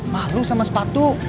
malu sama sepatu